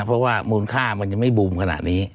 เพราะว่ามูลค่ามันยังไม่บูมขนาดนี้